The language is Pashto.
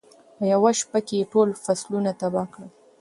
په یوه شپه کې یې ټول فصلونه تباه کړل.